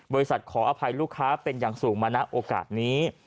ขออภัยลูกค้าเป็นอย่างสูงมาณโอกาสนี้